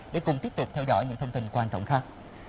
để cùng tiếp tục theo dõi những thông tin quan trọng khác